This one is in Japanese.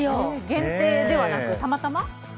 限定ではなく、たまたま？